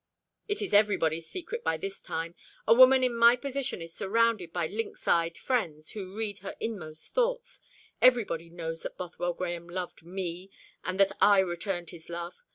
"It is everybody's secret by this time. A woman in my position is surrounded by lynx eyed friends, who read her inmost thoughts. Everybody knows that Bothwell Grahame loved me, and that I returned his love.